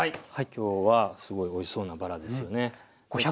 今日はすごいおいしそうなバラですよね。